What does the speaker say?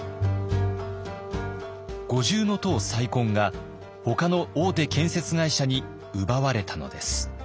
五重塔再建がほかの大手建設会社に奪われたのです。